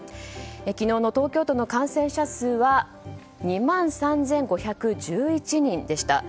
昨日の東京都の感染者数は２万３５１１人でした。